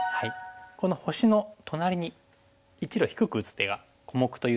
この星の隣に１路低く打つ手が「小目」という手なんですけども。